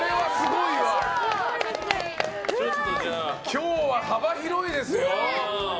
今日は幅広いですよ。